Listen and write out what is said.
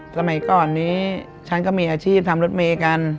สมัยก่อนนี้ฉันก็มีอาชีพทำรถเมย์กัน